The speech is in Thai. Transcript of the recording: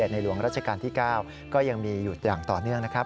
ในหลวงราชการที่๙ก็ยังมีหยุดอย่างต่อเนื่องนะครับ